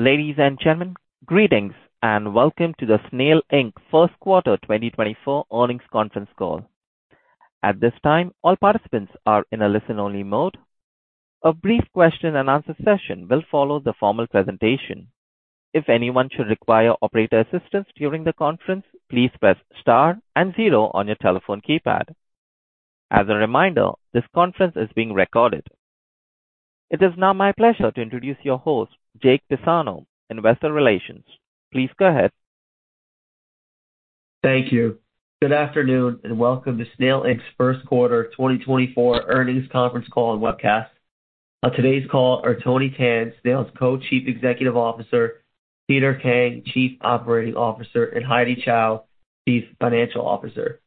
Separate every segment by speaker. Speaker 1: Ladies and gentlemen, greetings, and welcome to the Snail Inc first quarter 2024 earnings conference call. At this time, all participants are in a listen-only mode. A brief question and answer session will follow the formal presentation. If anyone should require operator assistance during the conference, please press star and zero on your telephone keypad. As a reminder, this conference is being recorded. It is now my pleasure to introduce your host, Jake Pisano, Investor Relations. Please go ahead.
Speaker 2: Thank you. Good afternoon, and welcome to Snail, Inc's first quarter 2024 earnings conference call and webcast. On today's call are Tony Tian, Snail, Inc's Co-Chief Executive Officer, Peter Kang, Chief Operating Officer, and Heidy Chow, Chief Financial Officer.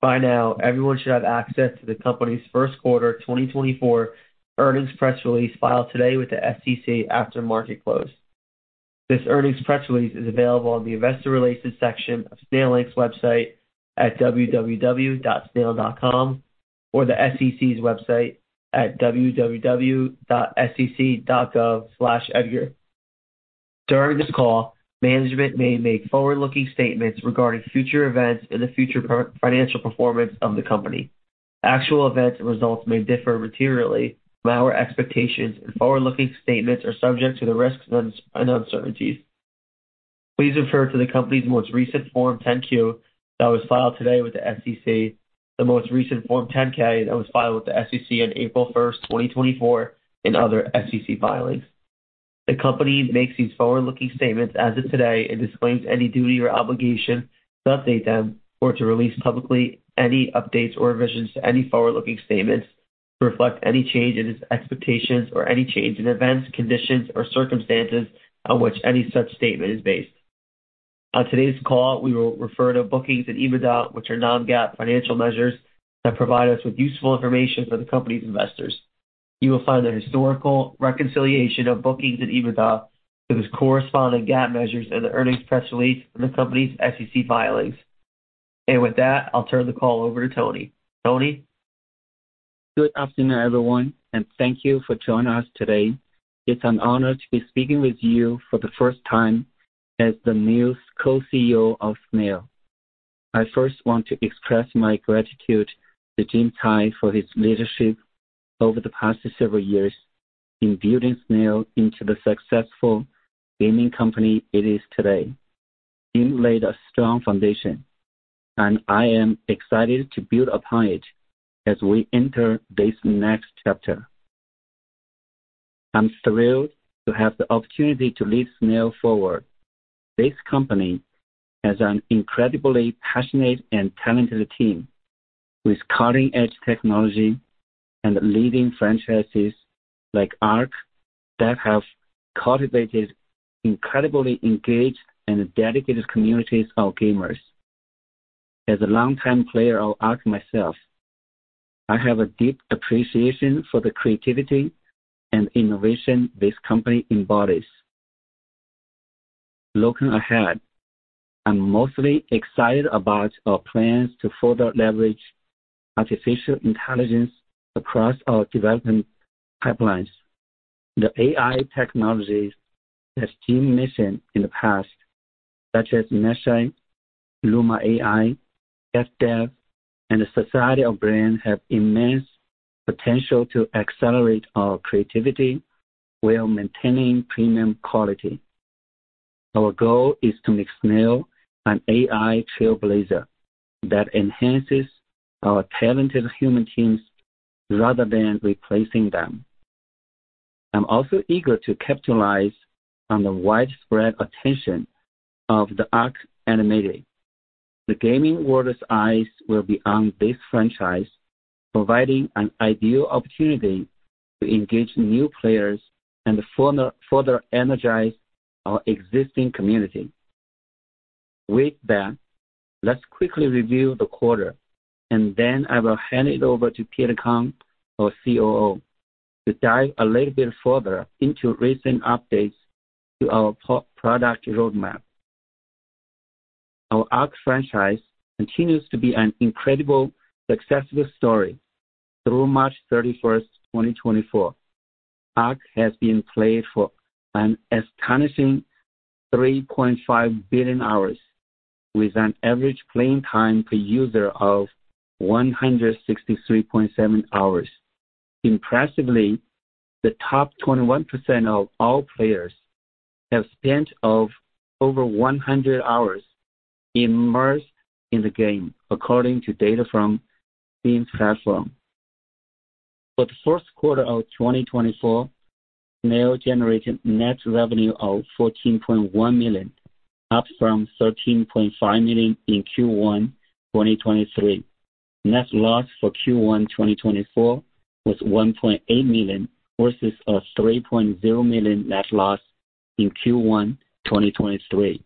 Speaker 2: By now, everyone should have access to the company's first quarter 2024 earnings press release filed today with the SEC after market close. This earnings press release is available on the investor relations section of Snail, Inc's website at www.snail.com or the SEC's website at www.sec.gov/edgar. During this call, management may make forward-looking statements regarding future events and the future financial performance of the company. Actual events and results may differ materially from our expectations, and forward-looking statements are subject to the risks and uncertainties. Please refer to the company's most recent Form 10-Q that was filed today with the SEC, the most recent Form 10-K that was filed with the SEC on April 1, 2024, and other SEC filings. The company makes these forward-looking statements as of today and disclaims any duty or obligation to update them or to release publicly any updates or revisions to any forward-looking statements to reflect any change in its expectations or any change in events, conditions, or circumstances on which any such statement is based. On today's call, we will refer to bookings and EBITDA, which are non-GAAP financial measures that provide us with useful information for the company's investors. You will find the historical reconciliation of bookings and EBITDA to its corresponding GAAP measures in the earnings press release in the company's SEC filings. With that, I'll turn the call over to Tony. Tony?
Speaker 3: Good afternoon, everyone, and thank you for joining us today. It's an honor to be speaking with you for the first time as the new Co-CEO of Snail. I first want to express my gratitude to Jim Tsai for his leadership over the past several years in building Snail into the successful gaming company it is today. Jim laid a strong foundation, and I am excited to build upon it as we enter this next chapter. I'm thrilled to have the opportunity to lead Snail forward. This company has an incredibly passionate and talented team with cutting-edge technology and leading franchises like ARK that have cultivated incredibly engaged and dedicated communities of gamers. As a longtime player of ARK myself, I have a deep appreciation for the creativity and innovation this company embodies. Looking ahead, I'm mostly excited about our plans to further leverage artificial intelligence across our development pipelines. The AI technologies that Jim mentioned in the past, such as Meshy, Luma AI, FDev, and the Society of Mind, have immense potential to accelerate our creativity while maintaining premium quality. Our goal is to make Snail an AI trailblazer that enhances our talented human teams rather than replacing them. I'm also eager to capitalize on the widespread attention of the ARK Animated. The gaming world's eyes will be on this franchise, providing an ideal opportunity to engage new players and further energize our existing community. With that, let's quickly review the quarter, and then I will hand it over to Peter Kang, our COO, to dive a little bit further into recent updates to our product roadmap. Our ARK franchise continues to be an incredible successful story. Through March 31, 2024, ARK has been played for an astonishing 3.5 billion hours, with an average playing time per user of 163.7 hours. Impressively, the top 21% of all players have spent over 100 hours immersed in the game, according to data from Steam platform. For the first quarter of 2024, Snail generated net revenue of $14.1 million, up from $13.5 million in Q1 2023. Net loss for Q1 2024 was $1.8 million, versus a $3.0 million net loss in Q1 2023.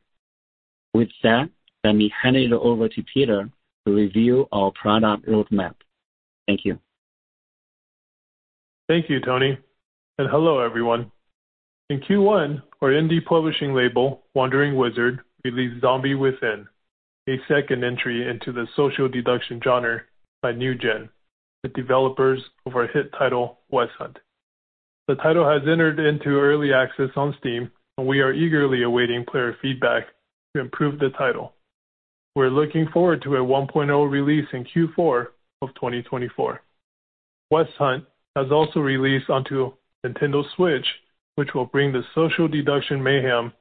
Speaker 3: With that, let me hand it over to Peter to review our product roadmap. Thank you.
Speaker 4: Thank you, Tony, and hello, everyone. In Q1, our indie publishing label, Wandering Wizard, released Zombie Within, a second entry into the social deduction genre by NewGen, the developers of our hit title, West Hunt. The title has entered into early access on Steam, and we are eagerly awaiting player feedback to improve the title. We're looking forward to a 1.0 release in Q4 of 2024. West Hunt has also released onto Nintendo Switch, which will bring the social deduction mayhem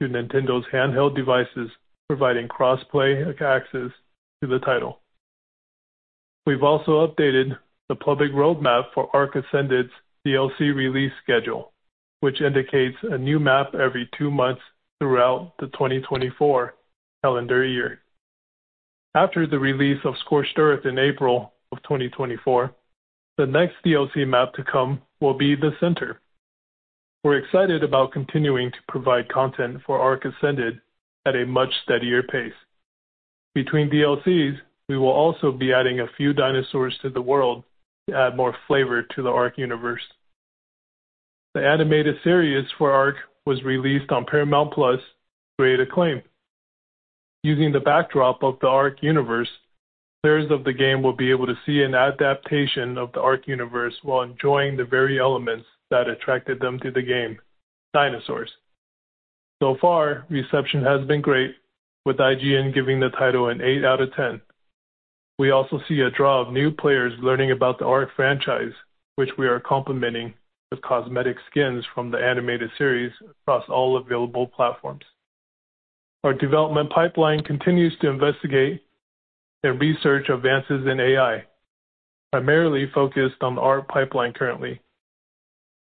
Speaker 4: to Nintendo's handheld devices, providing cross-play access to the title. We've also updated the public roadmap for ARK: Survival Ascended's DLC release schedule, which indicates a new map every two months throughout the 2024 calendar year. After the release of Scorched Earth in April of 2024, the next DLC map to come will be The Center. We're excited about continuing to provide content for ARK: Survival Ascended at a much steadier pace. Between DLCs, we will also be adding a few dinosaurs to the world to add more flavor to the ARK universe. The animated series for ARK was released on Paramount+ to great acclaim. Using the backdrop of the ARK universe, players of the game will be able to see an adaptation of the ARK universe while enjoying the very elements that attracted them to the game, dinosaurs. So far, reception has been great, with IGN giving the title an eight out of 10. We also see a draw of new players learning about the ARK franchise, which we are complementing with cosmetic skins from the animated series across all available platforms. Our development pipeline continues to investigate and research advances in AI, primarily focused on the ARK pipeline currently.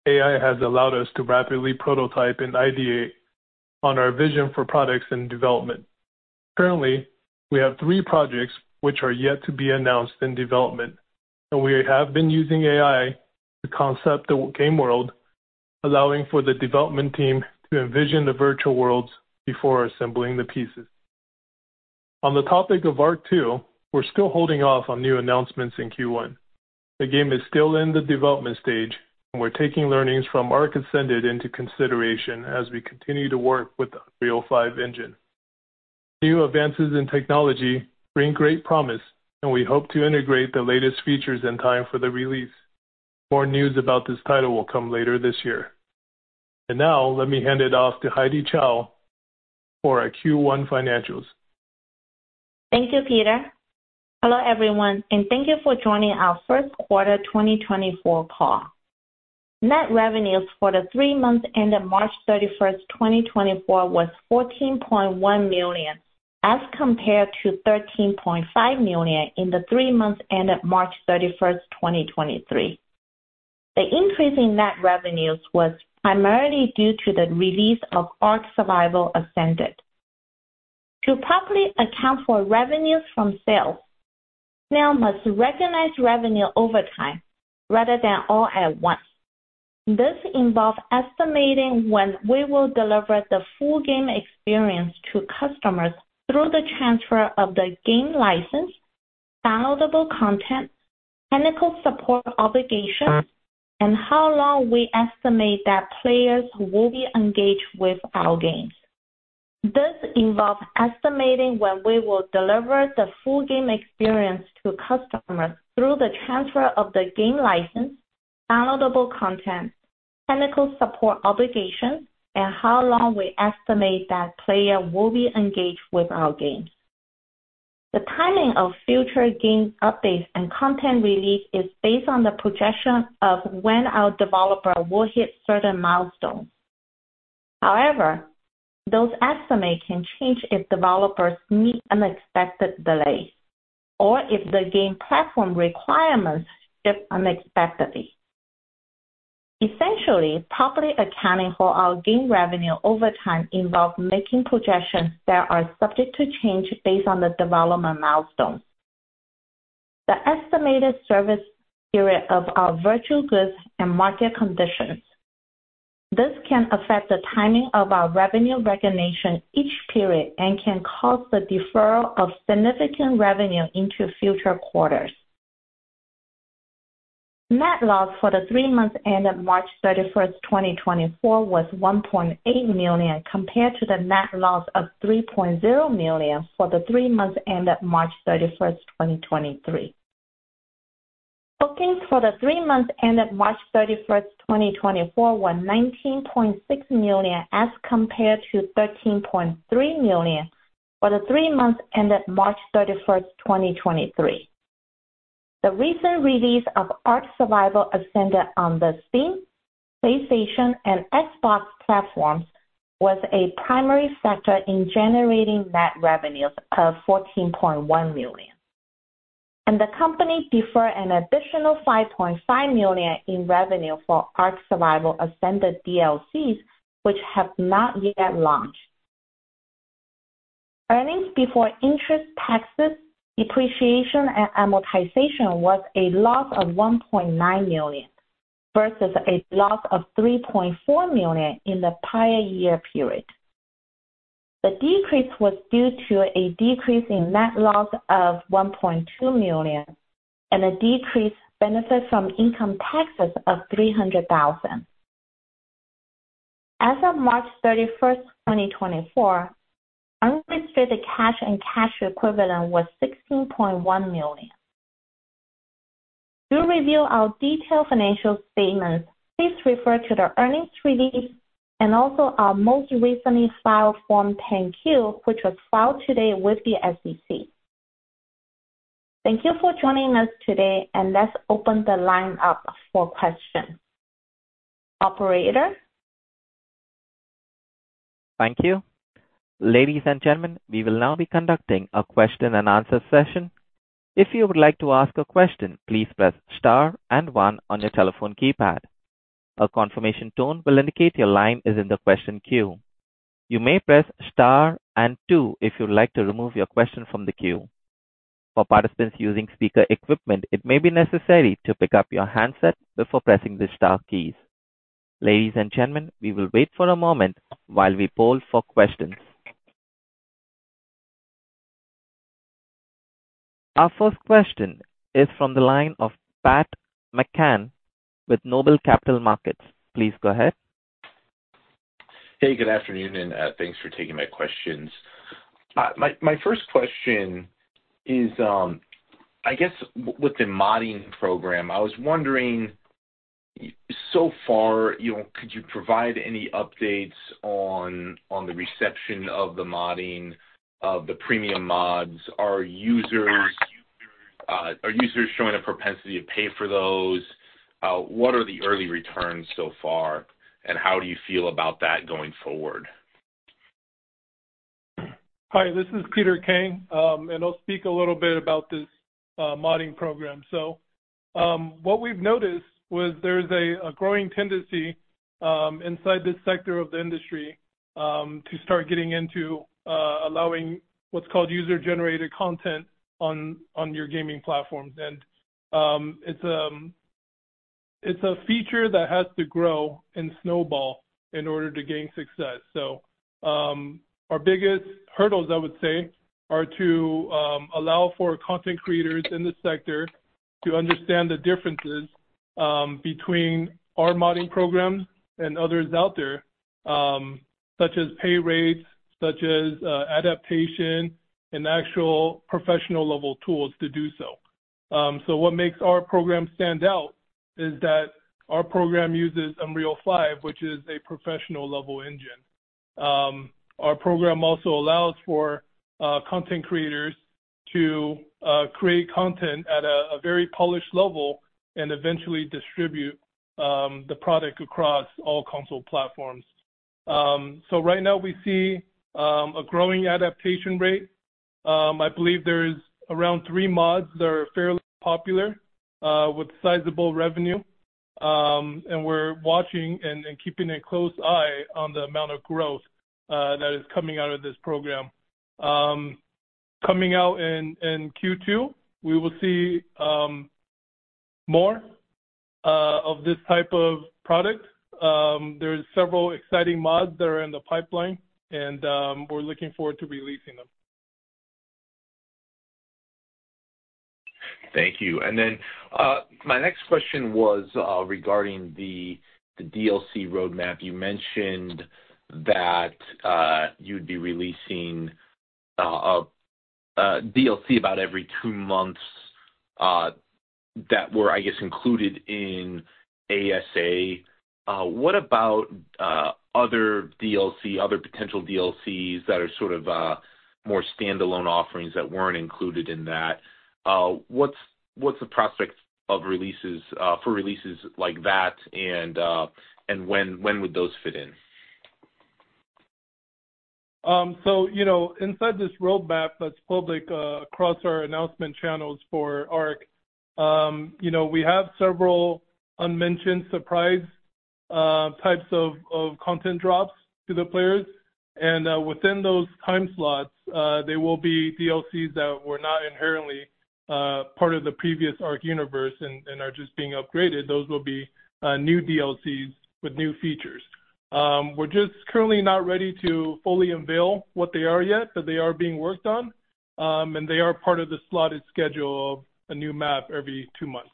Speaker 4: AI has allowed us to rapidly prototype and ideate on our vision for products in development. Currently, we have three projects which are yet to be announced in development, and we have been using AI to concept the game world, allowing for the development team to envision the virtual worlds before assembling the pieces. On the topic of ARK 2, we're still holding off on new announcements in Q1. The game is still in the development stage, and we're taking learnings from ARK Ascended into consideration as we continue to work with the Unreal Engine 5. New advances in technology bring great promise, and we hope to integrate the latest features in time for the release. More news about this title will come later this year. And now, let me hand it off to Heidy Chow for our Q1 financials.
Speaker 5: Thank you, Peter. Hello, everyone, and thank you for joining our first quarter 2024 call. Net revenues for the three months ended March 31st, 2024, was $14.1 million, as compared to $13.5 million in the three months ended March 31st, 2023. The increase in net revenues was primarily due to the release of ARK: Survival Ascended. To properly account for revenues from sales, we now must recognize revenue over time rather than all at once. This involves estimating when we will deliver the full game experience to customers through the transfer of the game license, downloadable content, technical support obligations, and how long we estimate that players will be engaged with our games. This involves estimating when we will deliver the full game experience to customers through the transfer of the game license, downloadable content, technical support obligations, and how long we estimate that player will be engaged with our games. The timing of future game updates and content release is based on the projection of when our developer will hit certain milestones. However, those estimates can change if developers meet unexpected delays or if the game platform requirements shift unexpectedly. Essentially, properly accounting for our game revenue over time involves making projections that are subject to change based on the development milestones, the estimated service period of our virtual goods, and market conditions. This can affect the timing of our revenue recognition each period and can cause the deferral of significant revenue into future quarters. Net loss for the three months ended March 31, 2024, was $1.8 million, compared to the net loss of $3.0 million for the three months ended March 31, 2023. Bookings for the three months ended March 31, 2024, were $19.6 million, as compared to $13.3 million for the three months ended March 31, 2023. The recent release of ARK: Survival Ascended on the Steam, PlayStation, and Xbox platforms was a primary factor in generating net revenues of $14.1 million. The company deferred an additional $5.5 million in revenue for ARK: Survival Ascended DLCs, which have not yet launched. Earnings before interest, taxes, depreciation, and amortization was a loss of $1.9 million, versus a loss of $3.4 million in the prior year period. The decrease was due to a decrease in net loss of $1.2 million and a decreased benefit from income taxes of $300,000. As of March 31, 2024, unrestricted cash and cash equivalents was $16.1 million. To review our detailed financial statements, please refer to the earnings release and also our most recently filed Form 10-Q, which was filed today with the SEC. Thank you for joining us today, and let's open the line up for questions. Operator?
Speaker 1: Thank you. Ladies and gentlemen, we will now be conducting a question and answer session. If you would like to ask a question, please press star and one on your telephone keypad. A confirmation tone will indicate your line is in the question queue. You may press star and two if you'd like to remove your question from the queue. For participants using speaker equipment, it may be necessary to pick up your handset before pressing the star keys. Ladies and gentlemen, we will wait for a moment while we poll for questions. Our first question is from the line of Pat McCann with Noble Capital Markets. Please go ahead.
Speaker 6: Hey, good afternoon, and thanks for taking my questions. My first question is, I guess with the modding program, I was wondering, so far, you know, could you provide any updates on the reception of the modding of the premium mods? Are users showing a propensity to pay for those? What are the early returns so far, and how do you feel about that going forward?
Speaker 4: Hi, this is Peter Kang, and I'll speak a little bit about this modding program. So, what we've noticed was there's a growing tendency inside this sector of the industry to start getting into allowing what's called user-generated content on your gaming platforms. And, it's a feature that has to grow and snowball in order to gain success. So, our biggest hurdles, I would say, are to allow for content creators in this sector to understand the differences between our modding program and others out there, such as pay rates, such as adaptation and actual professional level tools to do so. So what makes our program stand out is that our program uses Unreal 5, which is a professional level engine. Our program also allows for content creators to create content at a very polished level and eventually distribute the product across all console platforms. So right now we see a growing adaptation rate. I believe there's around three mods that are fairly popular with sizable revenue. And we're watching and keeping a close eye on the amount of growth that is coming out of this program. Coming out in Q2, we will see more of this type of product. There's several exciting mods that are in the pipeline, and we're looking forward to releasing them.
Speaker 6: Thank you. And then, my next question was regarding the DLC roadmap. You mentioned that you'd be releasing a DLC about every two months that were, I guess, included in ASA. What about other DLC, other potential DLCs that are sort of more standalone offerings that weren't included in that? What's the prospect of releases for releases like that and when would those fit in?
Speaker 4: So, you know, inside this roadmap that's public, across our announcement channels for ARK, you know, we have several unmentioned surprise types of content drops to the players. Within those time slots, there will be DLCs that were not inherently part of the previous ARK universe and are just being upgraded. Those will be new DLCs with new features. We're just currently not ready to fully unveil what they are yet, but they are being worked on. They are part of the slotted schedule of a new map every two months.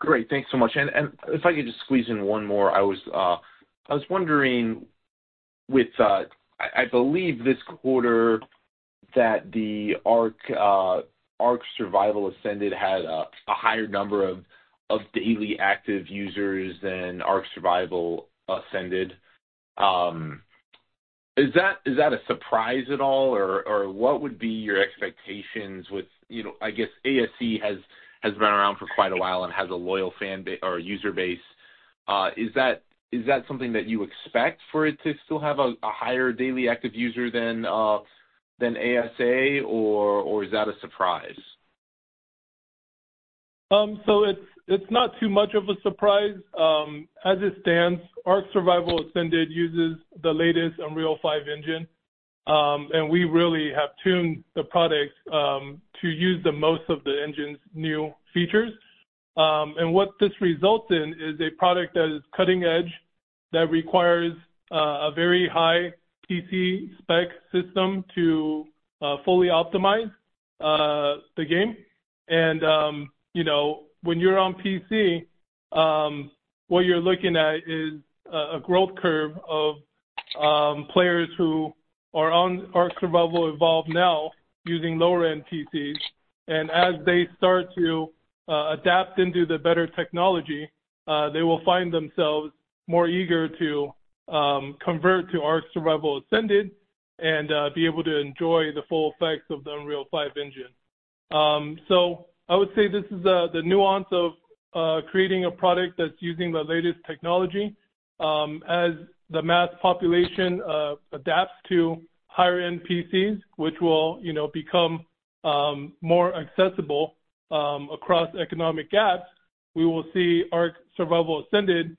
Speaker 6: Great. Thanks so much. And, if I could just squeeze in one more. I was, I was wondering with, I, I believe this quarter, that the ARK: Survival Ascended had a, a higher number of, of daily active users than ARK: Survival Evolved. Is that, is that a surprise at all? Or, or what would be your expectations with... You know, I guess ASE has, has been around for quite a while and has a loyal fan base or user base. Is that, is that something that you expect for it to still have a, a higher daily active user than, than ASA? Or, or is that a surprise?
Speaker 4: So it's not too much of a surprise. As it stands, ARK: Survival Ascended uses the latest Unreal Engine 5. And we really have tuned the product to use the most of the engine's new features. And what this results in is a product that is cutting-edge that requires a very high PC-spec system to fully optimize the game. And you know, when you're on PC, what you're looking at is a growth curve of players who are on ARK: Survival Evolved now using lower-end PCs. And as they start to adapt into the better technology, they will find themselves more eager to convert to ARK: Survival Ascended and be able to enjoy the full effects of the Unreal Engine 5. So I would say this is the nuance of creating a product that's using the latest technology. As the mass population adapts to higher-end PCs, which will, you know, become more accessible across economic gaps, we will see ARK: Survival Ascended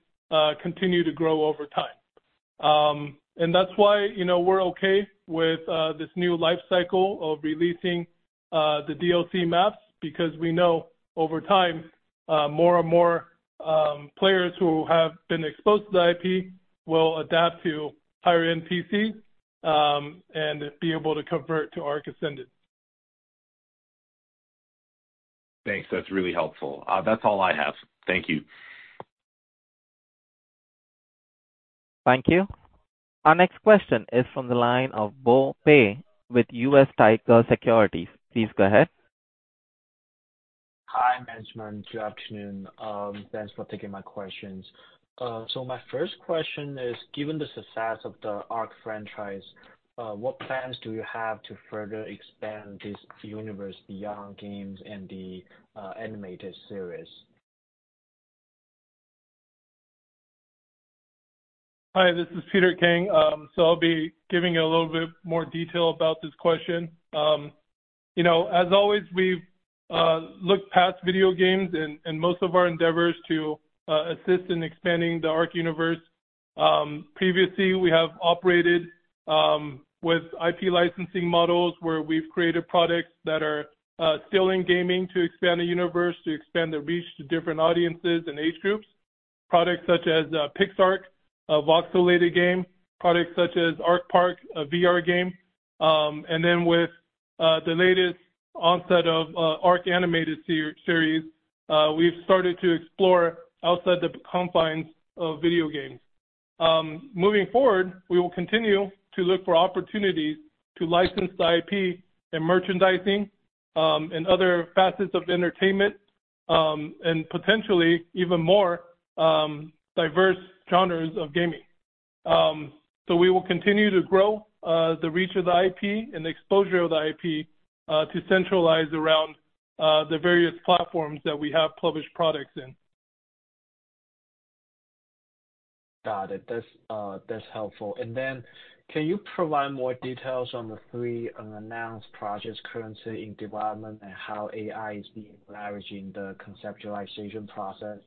Speaker 4: continue to grow over time. And that's why, you know, we're okay with this new life cycle of releasing the DLC maps, because we know over time, more and more players who have been exposed to the IP will adapt to higher-end PCs and be able to convert to ARK Ascended.
Speaker 6: Thanks. That's really helpful. That's all I have. Thank you.
Speaker 1: Thank you. Our next question is from the line of Bo Pei with US Tiger Securities. Please go ahead.
Speaker 7: Hi, management. Good afternoon. Thanks for taking my questions. So my first question is, given the success of the ARK franchise, what plans do you have to further expand this universe beyond games and the animated series?
Speaker 4: Hi, this is Peter Kang. So I'll be giving you a little bit more detail about this question. You know, as always, we've looked past video games and most of our endeavors to assist in expanding the ARK universe. Previously, we have operated with IP licensing models, where we've created products that are still in gaming, to expand the universe, to expand their reach to different audiences and age groups. Products such as PixARK, a voxelated game, products such as ARK Park, a VR game. And then with the latest onset of ARK Animated series, we've started to explore outside the confines of video games. Moving forward, we will continue to look for opportunities to license the IP and merchandising, and other facets of entertainment, and potentially even more diverse genres of gaming. So we will continue to grow the reach of the IP and the exposure of the IP to centralize around the various platforms that we have published products in.
Speaker 7: Got it. That's, that's helpful. And then can you provide more details on the three unannounced projects currently in development and how AI is being leveraged in the conceptualization process?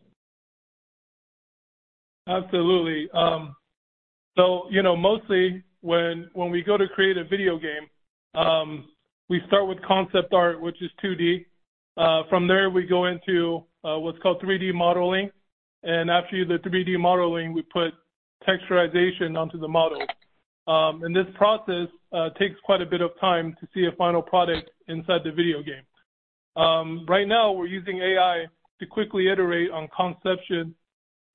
Speaker 4: Absolutely. So, you know, mostly, when we go to create a video game, we start with concept art, which is 2D. From there, we go into what's called 3D modeling, and after the 3D modeling, we put texturization onto the model. And this process takes quite a bit of time to see a final product inside the video game. Right now, we're using AI to quickly iterate on conception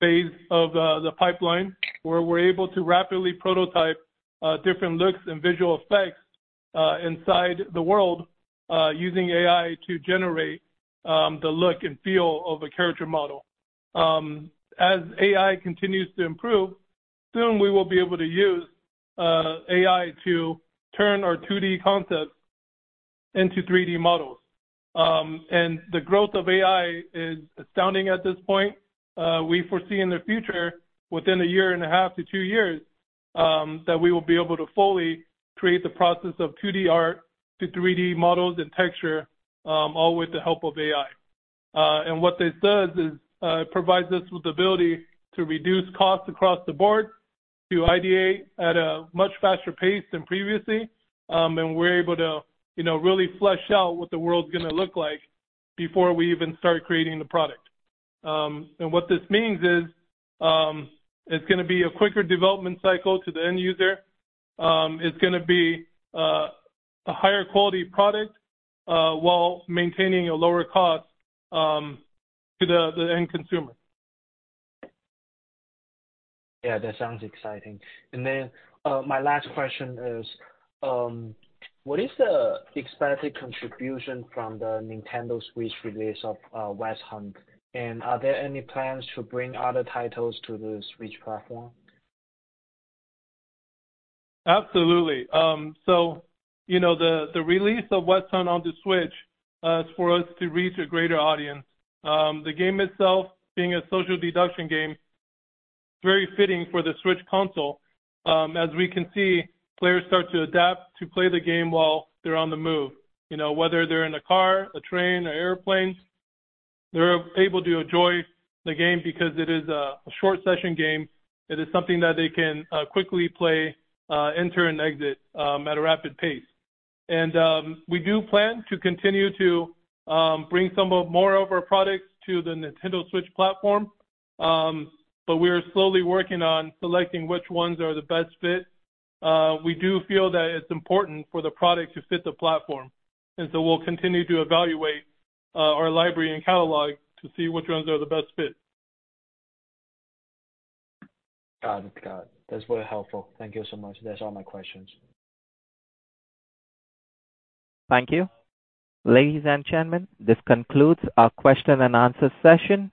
Speaker 4: phase of the pipeline, where we're able to rapidly prototype different looks and visual effects inside the world, using AI to generate the look and feel of a character model. As AI continues to improve, soon we will be able to use AI to turn our 2D concepts into 3D models. And the growth of AI is astounding at this point. We foresee in the future, within 1.5-2 years, that we will be able to fully create the process of 2D art to 3D models and texture, all with the help of AI. And what this does is, it provides us with the ability to reduce costs across the board, to ideate at a much faster pace than previously. And we're able to, you know, really flesh out what the world's going to look like before we even start creating the product. And what this means is, it's going to be a quicker development cycle to the end user. It's going to be a higher quality product, while maintaining a lower cost, to the end consumer.
Speaker 7: Yeah, that sounds exciting. And then, my last question is, what is the expected contribution from the Nintendo Switch release of West Hunt? And are there any plans to bring other titles to the Switch platform?
Speaker 4: Absolutely. So you know, the release of West Hunt on the Switch is for us to reach a greater audience. The game itself, being a social deduction game, very fitting for the Switch console. As we can see, players start to adapt to play the game while they're on the move. You know, whether they're in a car, a train, or airplane, they're able to enjoy the game because it is a short session game. It is something that they can quickly play, enter and exit at a rapid pace. And we do plan to continue to bring some more of our products to the Nintendo Switch platform, but we are slowly working on selecting which ones are the best fit. We do feel that it's important for the product to fit the platform, and so we'll continue to evaluate our library and catalog to see which ones are the best fit.
Speaker 7: Got it. Got it. That's very helpful. Thank you so much. That's all my questions.
Speaker 1: Thank you. Ladies and gentlemen, this concludes our question and answer session.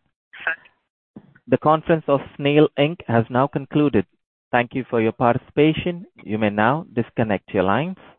Speaker 1: The conference of Snail, Inc. has now concluded. Thank you for your participation. You may now disconnect your lines.